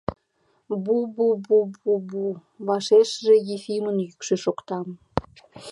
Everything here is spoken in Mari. — Бу-бу-бу-бу... — вашешыже Ефимын йӱкшӧ шокта.